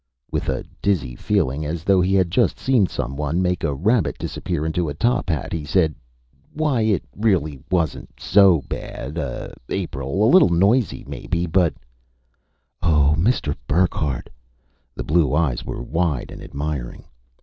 With a dizzy feeling, as though he had just seen someone make a rabbit disappear into a top hat, he said, "Why, it really wasn't so bad, uh, April. A little noisy, maybe, but " "Oh, Mr. Burckhardt!" The blue eyes were wide and admiring.